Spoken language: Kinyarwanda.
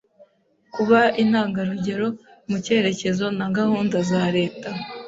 Kuba intangarugero mu cyerekezo na gahunda za Leta;